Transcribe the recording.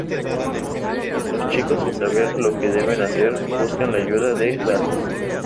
Los chicos, sin saber lo que deben hacer, buscan la ayuda de Dallas.